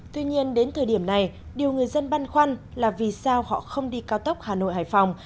tuy nhiên đến thời điểm này điều người dân băn khoăn là vì sao họ không đi cao tốc hà nội hải phòng